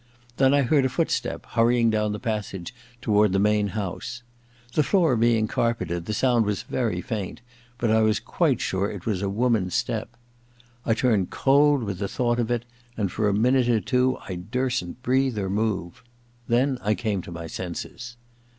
Then I heard a footstep hurrying down the passage toward the main house. The floor being carpeted, the sound was very faint, but I was quite sure it was a woman's step. I turned cold with the thought of it, and for a minute or two I dursn't breathe or move. Then I came to my senses.